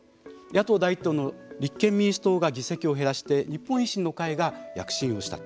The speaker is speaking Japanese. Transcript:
野党第一党の立憲民主党が議席を減らして日本維新の会が躍進をした。